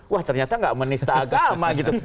wah ternyata nggak menista agama gitu